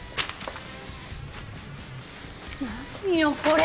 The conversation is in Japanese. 何よこれ！